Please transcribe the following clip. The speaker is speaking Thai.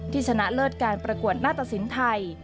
ที่ชนะเลิศการประกวดหน้าตะศิลป์ไทย